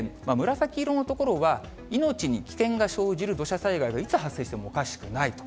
紫色の所は、命に危険が生じる土砂災害がいつ発生してもおかしくないと。